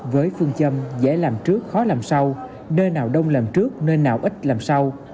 với phương châm dễ làm trước khó làm sau nơi nào đông làm trước nên nào ít làm sau